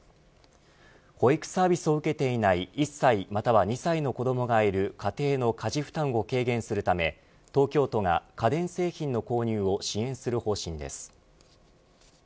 保育サービスを受けていない１歳または２歳の子どもがいる家庭の家事負担を軽減するため東京都が家電製品の購入を支援する方針です。